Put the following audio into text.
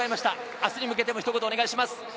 明日に向けて、ひと言お願いします。